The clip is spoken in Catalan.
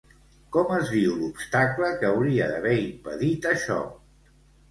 Com es diu l'obstacle que hauria d'haver impedit això?